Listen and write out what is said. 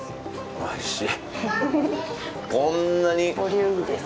おいしい。